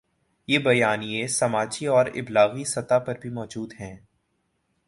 یہ بیانیے سماجی اور ابلاغی سطح پر بھی موجود ہیں۔